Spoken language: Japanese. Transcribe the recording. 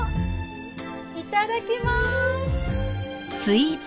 いただきまーす。